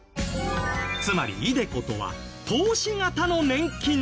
つまりｉＤｅＣｏとは投資型の年金の事。